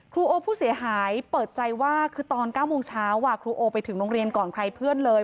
โอผู้เสียหายเปิดใจว่าคือตอน๙โมงเช้าครูโอไปถึงโรงเรียนก่อนใครเพื่อนเลย